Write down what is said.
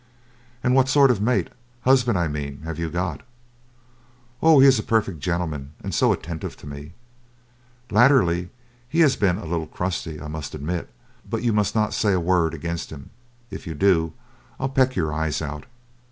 "And what sort of a mate husband, I mean have you got?" "Oh, he is a perfect gentleman, and so attentive to me. Latterly he has been a little crusty, I must admit; but you must not say a word against him. If you do, I'll peck your eyes out.